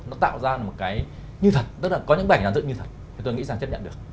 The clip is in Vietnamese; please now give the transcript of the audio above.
nó tạo ra một cái như thật tức là có những bộ ảnh dàn dựng như thật thì tôi nghĩ rằng chất nhận được